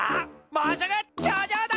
もうすぐちょうじょうだ！